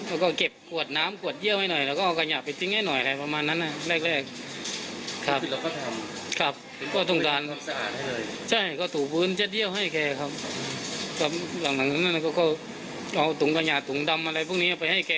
แล้วหลังจากนั้นก็เอาตุ๋งกัญญาตุ๋งดำอะไรพวกนี้ไปให้แก